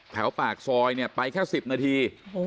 แผลวปากซอยเนี่ยไปแค่สิบนาที